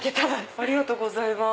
ありがとうございます。